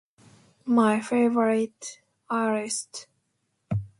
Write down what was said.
my favorite earth